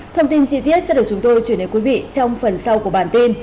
thông tin chi tiết sẽ được chúng tôi chuyển đến quý vị trong phần sau của bản tin